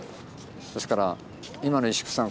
ですから今の石工さん